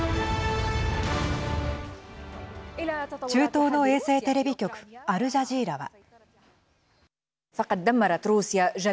中東の衛星テレビ局アルジャジーラは。